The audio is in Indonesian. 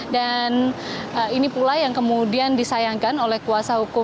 dan ini pula yang kemudian disayangkan oleh kuasa hukum